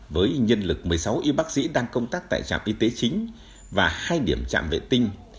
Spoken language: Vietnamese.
với nhân lực một mươi sáu y bác sĩ đang công tác tại trạm y tế chính và hai điểm trạm vệ tinh